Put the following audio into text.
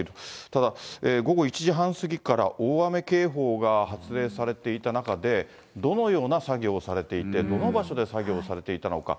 ただ、午後１時半過ぎから大雨警報が発令されていた中で、どのような作業をされていて、どの場所で作業されていたのか。